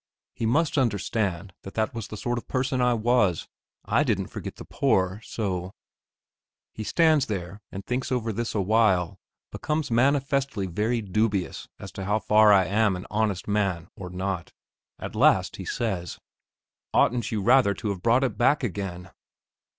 He must understand that that was the sort of person I was; I didn't forget the poor so.... He stands and thinks over this a while, becomes manifestly very dubious as to how far I am an honest man or not. At last he says: "Oughtn't you rather to have brought it back again?"